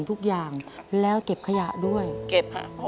ทำงานชื่อนางหยาดฝนภูมิสุขอายุ๕๔ปี